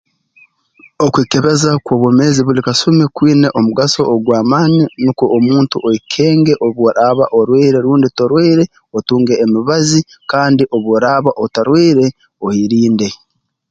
Okwekebeza kw'obwomeezi buli kasumi kwina omugaso ogw'amaani nukwo omuntu okenge obu oraaba orwaire rundi torwaire otunge emibazi kandi obu oraaba otarwaire oyerinde